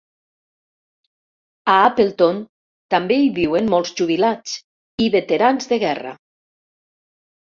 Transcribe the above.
A Appleton també hi viuen molts jubilats i veterans de guerra.